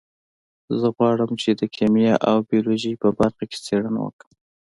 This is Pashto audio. زه غواړم چې د کیمیا او بیولوژي په برخه کې څیړنه وکړم